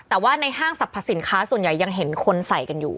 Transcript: แต่ว่าในห้างสรรพสินค้าส่วนใหญ่ยังเห็นคนใส่กันอยู่